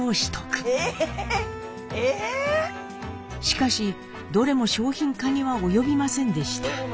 しかしどれも商品化には及びませんでした。